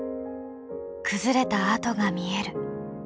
崩れた跡が見える。